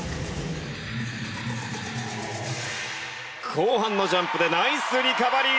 後半のジャンプでナイスリカバリー。